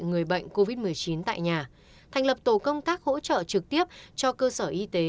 người bệnh covid một mươi chín tại nhà thành lập tổ công tác hỗ trợ trực tiếp cho cơ sở y tế